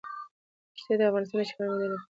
ښتې د افغانستان د چاپیریال د مدیریت لپاره مهم دي.